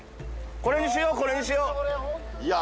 これにしようこれにしよういや